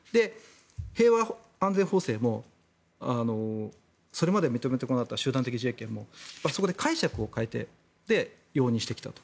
平和安全法制もそれまで認めてこなかった集団的自衛権もそこで解釈を変えて容認してきたと。